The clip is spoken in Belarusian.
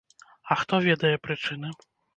А хто ведае прычыны?